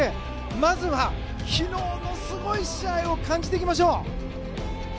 まずは、昨日のすごい試合を感じていきましょう！